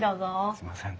すいません。